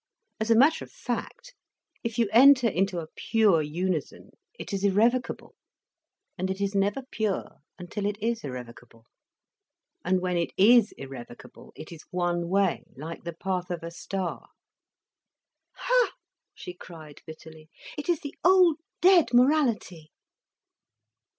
As a matter of fact, if you enter into a pure unison, it is irrevocable, and it is never pure till it is irrevocable. And when it is irrevocable, it is one way, like the path of a star." "Ha!" she cried bitterly. "It is the old dead morality."